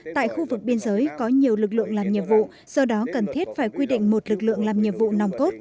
tại khu vực biên giới có nhiều lực lượng làm nhiệm vụ do đó cần thiết phải quy định một lực lượng làm nhiệm vụ nòng cốt